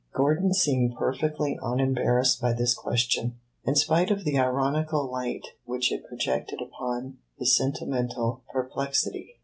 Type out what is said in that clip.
Gordon seemed perfectly unembarrassed by this question, in spite of the ironical light which it projected upon his sentimental perplexity.